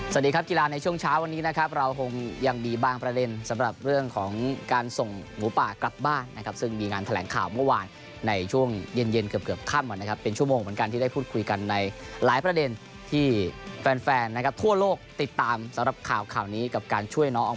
สวัสดีครับกีฬาในช่วงเช้าวันนี้นะครับเราคงยังมีบางประเด็นสำหรับเรื่องของการส่งหมูป่ากลับบ้านนะครับซึ่งมีงานแถลงข่าวเมื่อวานในช่วงเย็นเย็นเกือบเกือบค่ำนะครับเป็นชั่วโมงเหมือนกันที่ได้พูดคุยกันในหลายประเด็นที่แฟนแฟนนะครับทั่วโลกติดตามสำหรับข่าวข่าวนี้กับการช่วยน้อง